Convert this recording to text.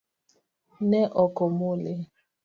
Ne oko muli?